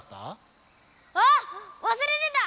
あっわすれてた！